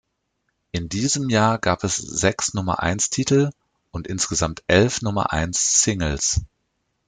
In diesem Jahr gab es sechs Nummer-eins-Titel und insgesamt elf Nummer-eins-Singles.